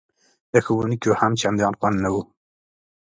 د ښوونکیو هم چندان خوند نه و.